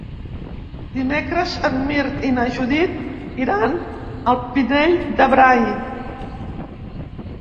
Dimecres en Mirt i na Judit iran al Pinell de Brai.